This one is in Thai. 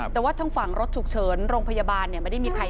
แต่ว่าทางฝั่งรถฉุกเฉินโรงพยาบาลไม่ได้มีใคร